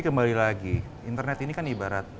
kembali lagi internet ini kan ibarat